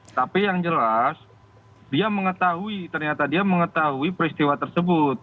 tapi yang jelas dia mengetahui ternyata dia mengetahui peristiwa tersebut